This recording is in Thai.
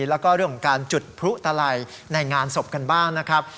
แล้วก็เรื่องของการจุดพลุตลัยในงานศพกันบ้างนะครับ